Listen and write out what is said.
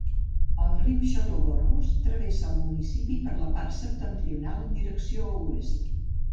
El riu Xaló-Gorgos travessa el municipi per la part septentrional en direcció oest-est.